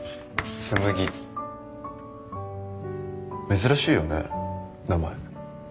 珍しいよね名前。